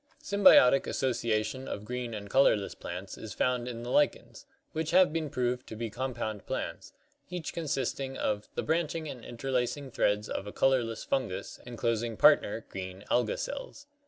Symbiotic association of green and colorless plants is found in the lichens, which have been proved to be compound plants, each consisting of " the branching and interlacing threads of a [colorless] Fungus enclosing partner [green] Alga cells.